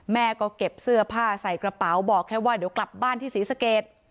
แม่ก็เก็บเสื้อผ้าใส่กระเป๋าบอกแค่ว่าเดี๋ยวกลับบ้านที่ศรีสเกต